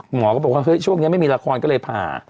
หมอก็บอกว่าเฮ้ยช่วงนี้ไม่มีละครก็เลยผ่า